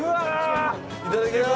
いただきます。